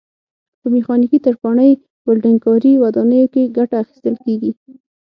په میخانیکي، ترکاڼۍ، ولډنګ کاري، ودانیو کې ګټه اخیستل کېږي.